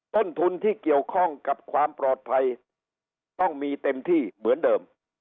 ต้นทุนที่เกี่ยวข้องกับความปลอดภัยต้องมีเต็มที่เหมือนเดิม